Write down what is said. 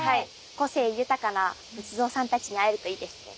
個性豊かな仏像さんたちに会えるといいですね。